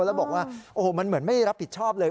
แล้วบอกว่าโอ้โหมันเหมือนไม่รับผิดชอบเลย